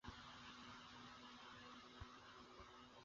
দুই দশক ধরেই একে অপরের বিরুদ্ধে রাজনৈতিক অস্ত্র হিসেবে ব্যবহার করে আসছেন।